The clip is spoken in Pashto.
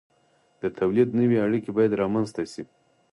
د تولید نوې اړیکې باید رامنځته شي.